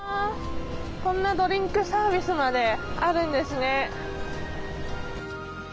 こんなドリンクサービスまであるんですね。